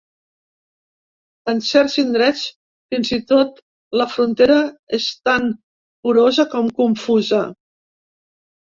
En certs indrets, fins i tot, la frontera és tan porosa com confusa.